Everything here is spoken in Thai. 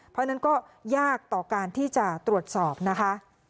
เพราะฉะนั้นก็ยากต่อการที่จะตรวจสอบนะคะ